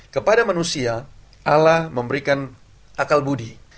kepada manusia ala memberikan akal budi